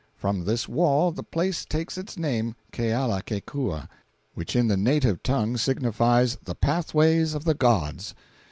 From this wall the place takes its name, Kealakekua, which in the native tongue signifies "The Pathway of the Gods."